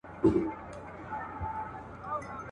چي لا په غرونو کي ژوندی وي یو افغان وطنه,